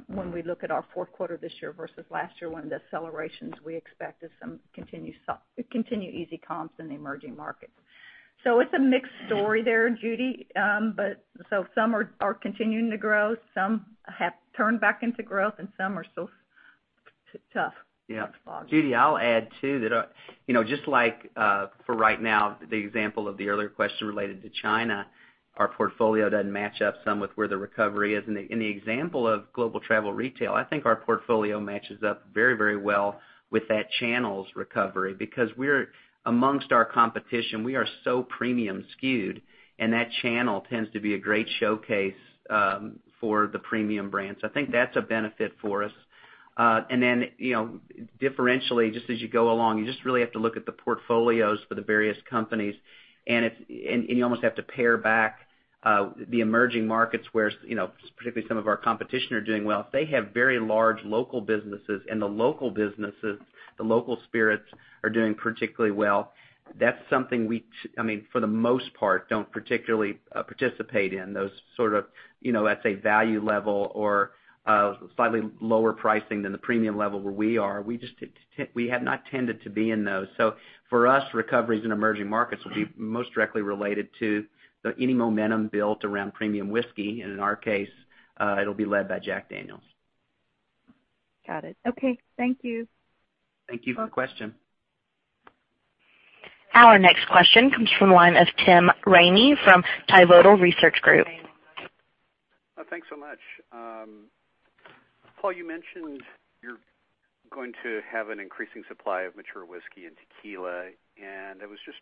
when we look at our fourth quarter this year versus last year, one of the accelerations we expect is some continued easy comps in the emerging markets. It's a mixed story there, Judy. Some are continuing to grow, some have turned back into growth, and some are still. It's tough. Yeah. Judy, I'll add, too, that just like, for right now, the example of the earlier question related to China, our portfolio doesn't match up some with where the recovery is. In the example of global travel retail, I think our portfolio matches up very well with that channel's recovery, because amongst our competition, we are so premium skewed, and that channel tends to be a great showcase for the premium brands. I think that's a benefit for us. Differentially, just as you go along, you just really have to look at the portfolios for the various companies, you almost have to pare back the emerging markets where, particularly some of our competition are doing well. If they have very large local businesses, and the local businesses, the local spirits are doing particularly well, that's something we, for the most part, don't particularly participate in, those sort of let's say value level or slightly lower pricing than the premium level where we are. We have not tended to be in those. For us, recoveries in emerging markets would be most directly related to any momentum built around premium whiskey. In our case, it'll be led by Jack Daniel's. Got it. Okay. Thank you. Thank you for the question. Our next question comes from the line of Tim Ramey from Pivotal Research Group. Thanks so much. Paul, you mentioned you're going to have an increasing supply of mature whiskey and tequila. I was just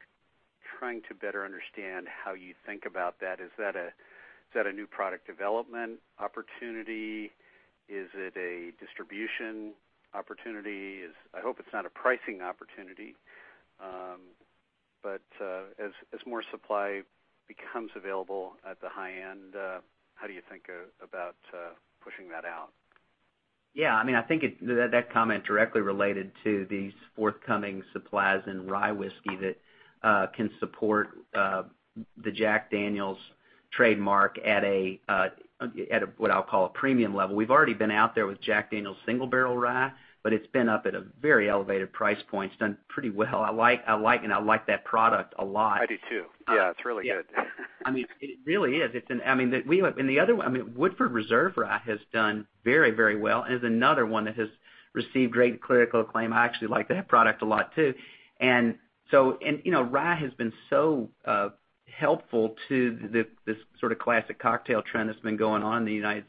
trying to better understand how you think about that. Is that a new product development opportunity? Is it a distribution opportunity? I hope it's not a pricing opportunity. As more supply becomes available at the high end, how do you think about pushing that out? Yeah, I think that comment directly related to these forthcoming supplies in rye whiskey that can support the Jack Daniel's trademark at what I'll call a premium level. We've already been out there with Jack Daniel's Single Barrel Rye, but it's been up at a very elevated price point. It's done pretty well. I like that product a lot. I do, too. Yeah, it's really good. It really is. Woodford Reserve Rye has done very well, and is another one that has received great critical acclaim. I actually like that product a lot, too. Rye has been so helpful to this sort of classic cocktail trend that's been going on in the U.S.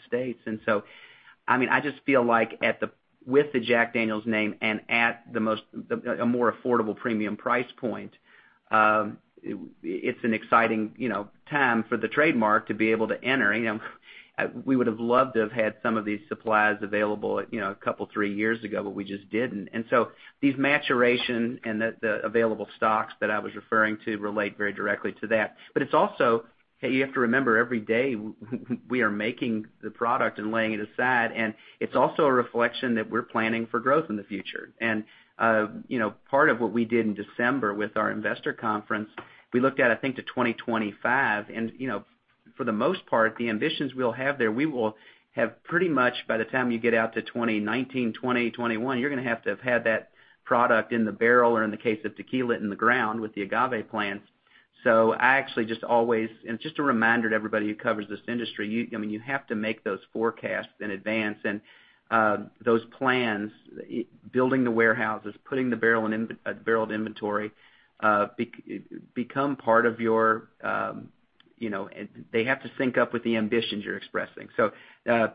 I just feel like with the Jack Daniel's name and at a more affordable premium price point, it's an exciting time for the trademark to be able to enter. We would've loved to have had some of these supplies available a couple, three years ago, but we just didn't. These maturation and the available stocks that I was referring to relate very directly to that. It's also, you have to remember every day we are making the product and laying it aside, and it's also a reflection that we're planning for growth in the future. Part of what we did in December with our investor conference, we looked at, I think, to 2025. For the most part, the ambitions we'll have there, we will have pretty much by the time you get out to 2019, 2020, 2021, you're going to have to have had that product in the barrel or in the case of tequila, in the ground with the agave plant. I actually just always, and just a reminder to everybody who covers this industry, you have to make those forecasts in advance and those plans, building the warehouses, putting the barrel in a barreled inventory, they have to sync up with the ambitions you're expressing.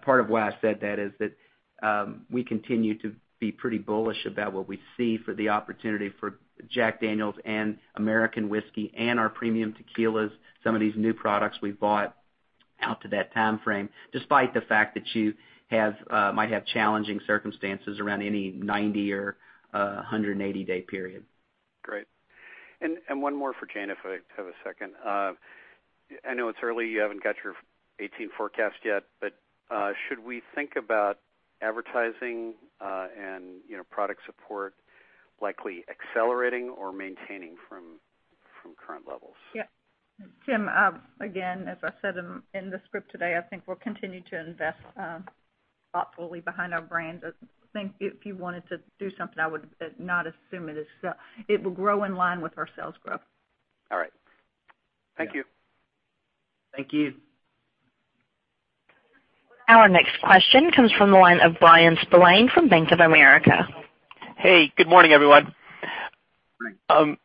Part of why I said that is that we continue to be pretty bullish about what we see for the opportunity for Jack Daniel's and American Whiskey and our premium tequilas, some of these new products we've bought out to that timeframe, despite the fact that you might have challenging circumstances around any 90 or 180-day period. Great. One more for Jane, if I have a second. I know it's early, you haven't got your 2018 forecast yet, but should we think about advertising and product support likely accelerating or maintaining from current levels? Yeah. Tim, again, as I said in the script today, I think we'll continue to invest thoughtfully behind our brands. I think if you wanted to do something, I would not assume it will grow in line with our sales growth. All right. Thank you. Thank you. Our next question comes from the line of Bryan Spillane from Bank of America. Hey, good morning, everyone. Good morning.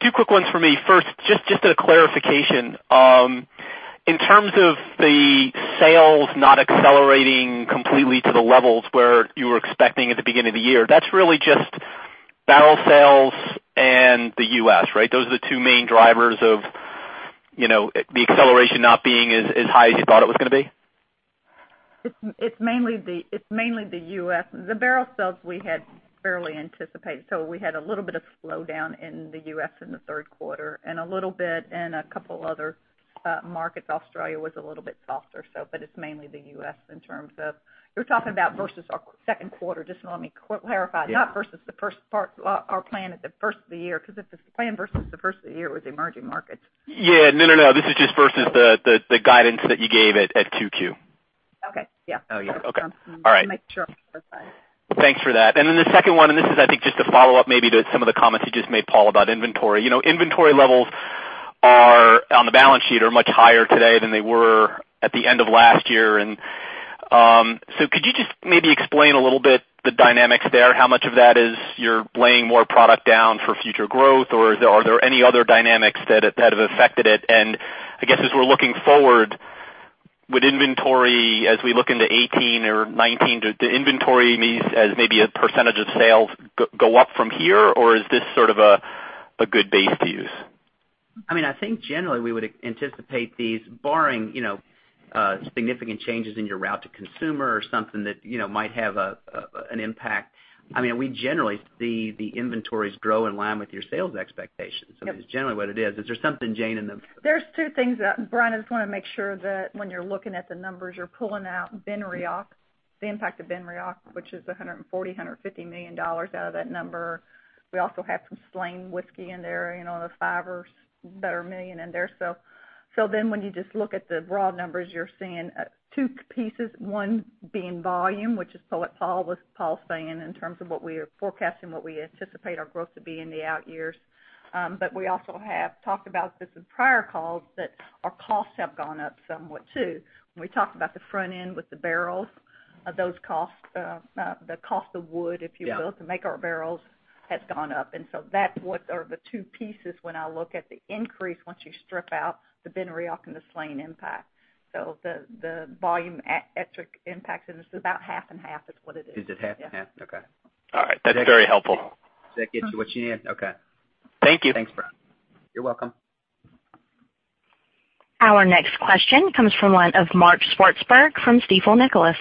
Two quick ones for me. First, just a clarification. In terms of the sales not accelerating completely to the levels where you were expecting at the beginning of the year, that's really just barrel sales and the U.S., right? Those are the two main drivers of the acceleration not being as high as you thought it was going to be? It's mainly the U.S. The barrel sales we had fairly anticipated. We had a little bit of slowdown in the U.S. in the third quarter and a little bit in a couple other markets. Australia was a little bit softer. It's mainly the U.S. in terms of You're talking about versus our second quarter, just let me clarify. Yeah. Not versus our plan at the first of the year, because if it's the plan versus the first of the year, it was emerging markets. Yeah. No. This is just versus the guidance that you gave at 2Q. Okay. Yeah. Oh, yeah. Okay. All right. Make sure I'm clear. Thanks for that. Then the second one, this is, I think, just a follow-up maybe to some of the comments you just made, Paul, about inventory. Inventory levels on the balance sheet are much higher today than they were at the end of last year. So could you just maybe explain a little bit the dynamics there? How much of that is you're laying more product down for future growth or are there any other dynamics that have affected it? I guess as we're looking forward, would inventory, as we look into 2018 or 2019, do inventory needs as maybe a % of sales go up from here, or is this sort of a good base to use? I think generally we would anticipate these barring significant changes in your route to consumer or something that might have an impact. We generally see the inventories grow in line with your sales expectations. Yep. That's generally what it is. Is there something, Jane? There's two things, Bryan. I just want to make sure that when you're looking at the numbers, you're pulling out BenRiach, the impact of BenRiach, which is $140 million-$150 million out of that number. We also have some Slane in there, the $5 million or better in there. When you just look at the raw numbers, you're seeing two pieces, one being volume, which is what Paul was saying in terms of what we are forecasting, what we anticipate our growth to be in the out years. We also have talked about this in prior calls, that our costs have gone up somewhat, too. When we talked about the front end with the barrels, those costs, the cost of wood, if you will. Yeah to make our barrels has gone up, and so that's what are the two pieces when I look at the increase, once you strip out the BenRiach and the Slane impact. The volume impact, and this is about half and half is what it is. Is it half and half? Yeah. Okay. All right. That's very helpful. Does that get you what you need? Okay. Thank you. Thanks, Brian. You're welcome. Our next question comes from one of Mark Swartzberg from Stifel Nicolaus.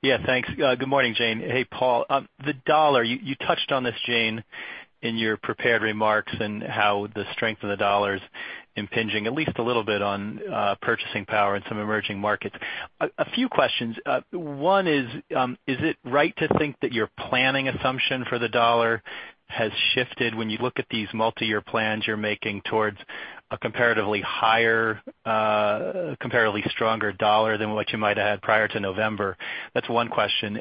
Yeah, thanks. Good morning, Jane. Hey, Paul. The dollar, you touched on this, Jane, in your prepared remarks and how the strength of the dollar is impinging at least a little bit on purchasing power in some emerging markets. A few questions. One is it right to think that your planning assumption for the dollar has shifted when you look at these multi-year plans you're making towards a comparatively higher, comparatively stronger dollar than what you might have had prior to November? That's one question.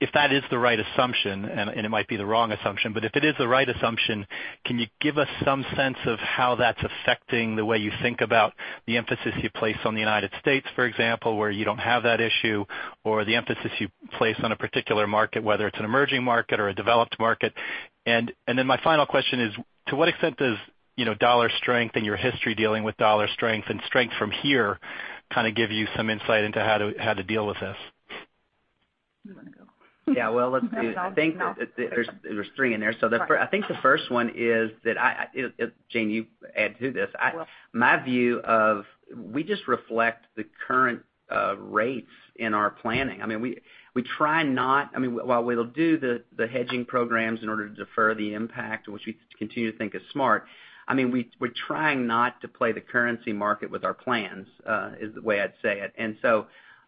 If that is the right assumption, and it might be the wrong assumption, but if it is the right assumption, can you give us some sense of how that's affecting the way you think about the emphasis you place on the United States, for example, where you don't have that issue, or the emphasis you place on a particular market, whether it's an emerging market or a developed market? My final question is, to what extent does dollar strength and your history dealing with dollar strength and strength from here kind of give you some insight into how to deal with this? Do you want to go? Yeah, well, let's do. I think there's three in there. Right. I think the first one is that Jane, you add to this. Will. My view of, we just reflect the current rates in our planning. We try not While we'll do the hedging programs in order to defer the impact, which we continue to think is smart, we're trying not to play the currency market with our plans, is the way I'd say it.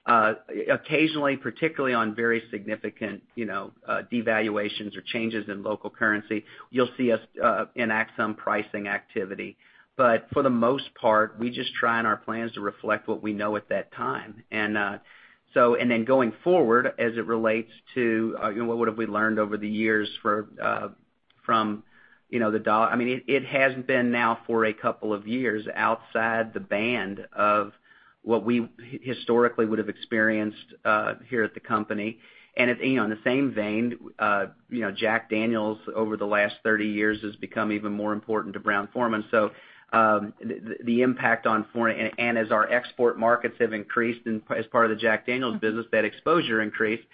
Occasionally, particularly on very significant devaluations or changes in local currency, you'll see us enact some pricing activity. For the most part, we just try in our plans to reflect what we know at that time. Going forward, as it relates to what have we learned over the years from the dollar, it has been now for a couple of years outside the band of what we historically would've experienced here at the company. In the same vein, Jack Daniel's, over the last 30 years, has become even more important to Brown-Forman. The impact on foreign, and as our export markets have increased as part of the Jack Daniel's business, that exposure increased.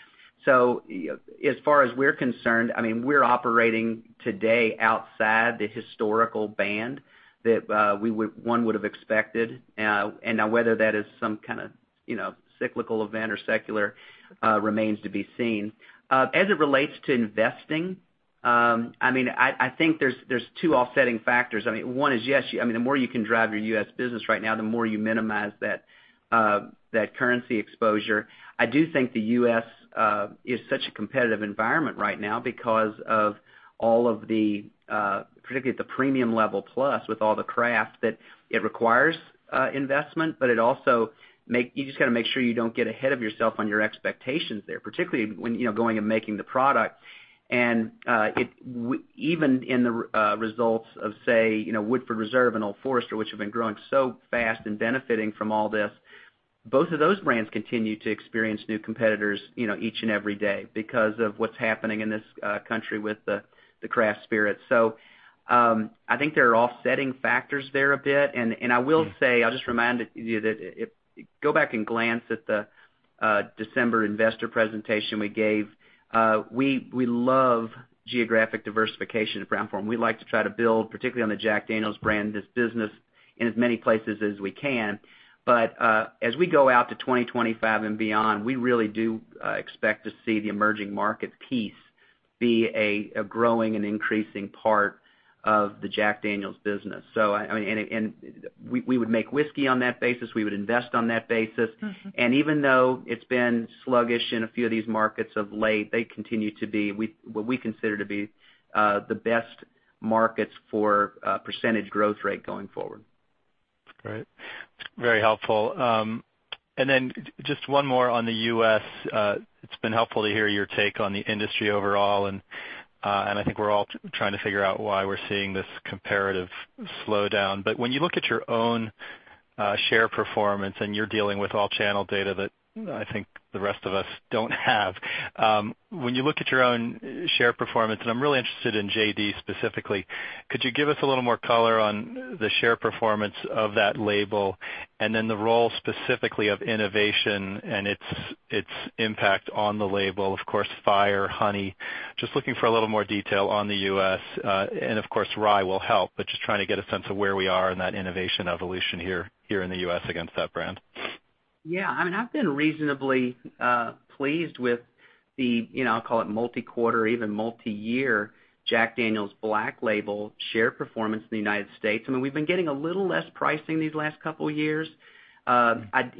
As far as we're concerned, we're operating today outside the historical band that one would've expected. Whether that is some kind of cyclical event or secular, remains to be seen. As it relates to investing, I think there's two offsetting factors. One is, yes, the more you can drive your U.S. business right now, the more you minimize that currency exposure. I do think the U.S. is such a competitive environment right now because of all of the, particularly at the premium level plus with all the craft, that it requires investment, but you just got to make sure you don't get ahead of yourself on your expectations there, particularly when going and making the product. Even in the results of, say, Woodford Reserve and Old Forester, which have been growing so fast and benefiting from all this, both of those brands continue to experience new competitors each and every day because of what's happening in this country with the craft spirits. I think there are offsetting factors there a bit, and I will say, I'll just remind you that if you go back and glance at the December investor presentation we gave, we love geographic diversification at Brown-Forman. We like to try to build, particularly on the Jack Daniel's brand, this business in as many places as we can. As we go out to 2025 and beyond, we really do expect to see the emerging markets piece be a growing and increasing part of the Jack Daniel's business. We would make whiskey on that basis, we would invest on that basis. Even though it's been sluggish in a few of these markets of late, they continue to be what we consider to be the best markets for percentage growth rate going forward. Great. Very helpful. Just one more on the U.S. It's been helpful to hear your take on the industry overall, and I think we're all trying to figure out why we're seeing this comparative slowdown. When you look at your own share performance, and you're dealing with all channel data that I think the rest of us don't have. When you look at your own share performance, and I'm really interested in JD specifically, could you give us a little more color on the share performance of that label and then the role specifically of innovation and its impact on the label? Of course, Fire, Honey, just looking for a little more detail on the U.S. Of course, Rye will help, but just trying to get a sense of where we are in that innovation evolution here in the U.S. against that brand. Yeah. I've been reasonably pleased with the, I'll call it multi-quarter, even multi-year, Jack Daniel's Black Label share performance in the United States. We've been getting a little less pricing these last couple of years. I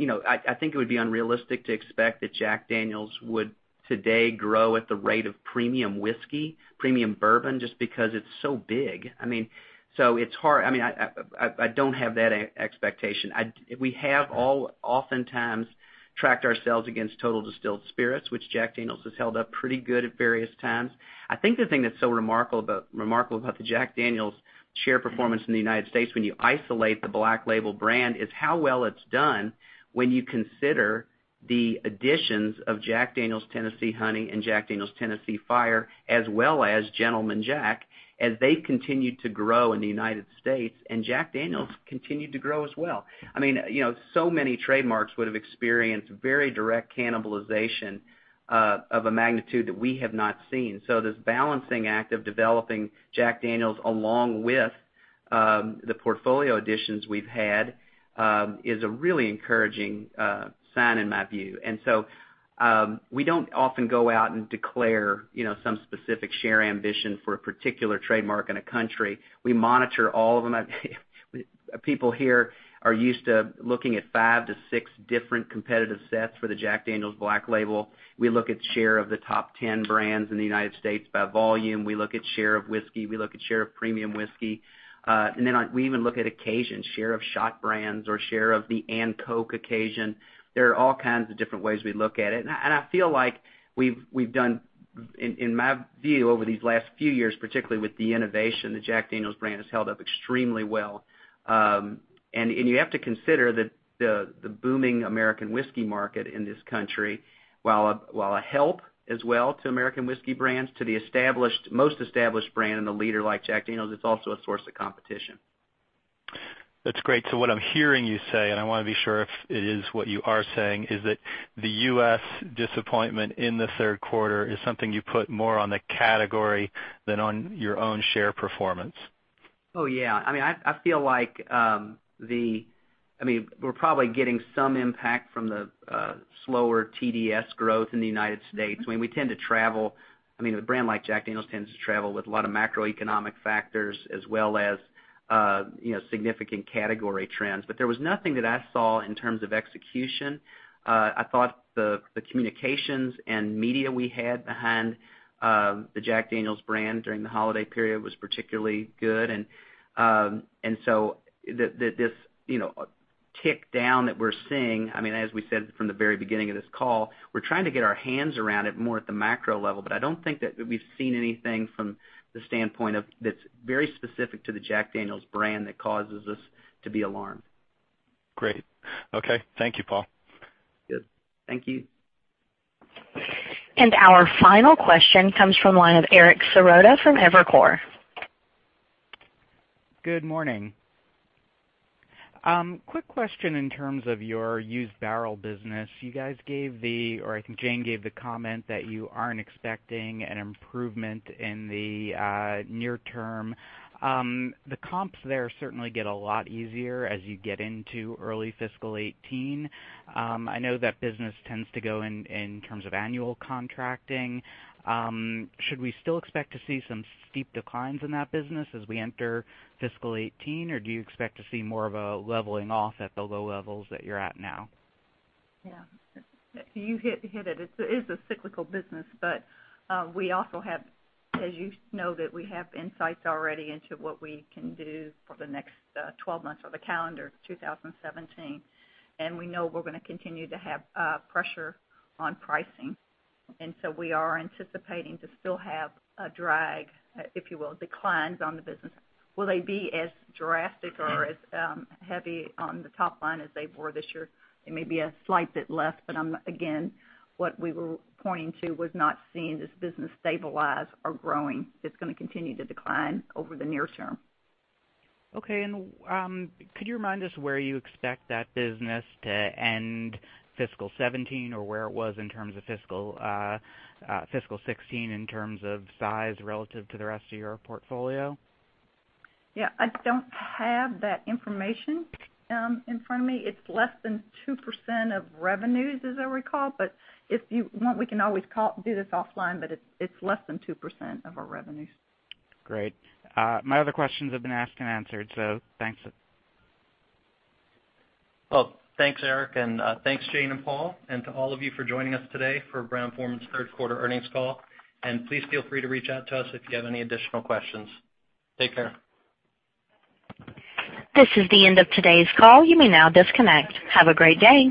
think it would be unrealistic to expect that Jack Daniel's would today grow at the rate of premium whiskey, premium bourbon, just because it's so big. It's hard. I don't have that expectation. We have oftentimes tracked ourselves against total distilled spirits, which Jack Daniel's has held up pretty good at various times. I think the thing that's so remarkable about the Jack Daniel's share performance in the U.S., when you isolate the Black Label brand, is how well it's done when you consider the additions of Jack Daniel's Tennessee Honey and Jack Daniel's Tennessee Fire, as well as Gentleman Jack, as they've continued to grow in the U.S., and Jack Daniel's continued to grow as well. Many trademarks would have experienced very direct cannibalization of a magnitude that we have not seen. This balancing act of developing Jack Daniel's along with the portfolio additions we've had is a really encouraging sign in my view. We don't often go out and declare some specific share ambition for a particular trademark in a country. We monitor all of them. People here are used to looking at five to six different competitive sets for the Jack Daniel's Black Label. We look at share of the top 10 brands in the U.S. by volume. We look at share of whiskey. We look at share of premium whiskey. Then we even look at occasion, share of shot brands or share of Jack and Coke occasion. There are all kinds of different ways we look at it, and I feel like we've done, in my view, over these last few years, particularly with the innovation, the Jack Daniel's brand has held up extremely well. You have to consider that the booming American whiskey market in this country, while a help as well to American whiskey brands, to the most established brand and a leader like Jack Daniel's, it's also a source of competition. That's great. What I'm hearing you say, and I want to be sure if it is what you are saying, is that the U.S. disappointment in the third quarter is something you put more on the category than on your own share performance. Oh, yeah. I feel like we're probably getting some impact from the slower TDS growth in the U.S. A brand like Jack Daniel's tends to travel with a lot of macroeconomic factors as well as significant category trends. There was nothing that I saw in terms of execution. I thought the communications and media we had behind the Jack Daniel's brand during the holiday period was particularly good, this tick down that we're seeing, as we said from the very beginning of this call, we're trying to get our hands around it more at the macro level. I don't think that we've seen anything from the standpoint of that's very specific to the Jack Daniel's brand that causes us to be alarmed. Great. Okay. Thank you, Paul. Good. Thank you. Our final question comes from the line of Eric Serotta from Evercore. Good morning. Quick question in terms of your used barrel business. You guys gave the, or I think Jane gave the comment that you aren't expecting an improvement in the near term. The comps there certainly get a lot easier as you get into early fiscal 2018. I know that business tends to go in terms of annual contracting. Should we still expect to see some steep declines in that business as we enter fiscal 2018, or do you expect to see more of a leveling off at the low levels that you're at now? Yeah. You hit it. It's a cyclical business. We also have, as you know, that we have insights already into what we can do for the next 12 months or the calendar 2017. We know we're going to continue to have pressure on pricing. We are anticipating to still have a drag, if you will, declines on the business. Will they be as drastic or as heavy on the top line as they were this year? It may be a slight bit less, but again, what we were pointing to was not seeing this business stabilize or growing. It's going to continue to decline over the near term. Okay. Could you remind us where you expect that business to end fiscal 2017 or where it was in terms of fiscal 2016 in terms of size relative to the rest of your portfolio? Yeah. I don't have that information in front of me. It's less than 2% of revenues, as I recall. If you want, we can always do this offline. It's less than 2% of our revenues. Great. My other questions have been asked and answered. Thanks. Well, thanks, Eric, and thanks, Jane and Paul, and to all of you for joining us today for Brown-Forman's third quarter earnings call. Please feel free to reach out to us if you have any additional questions. Take care. This is the end of today's call. You may now disconnect. Have a great day.